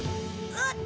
うっ！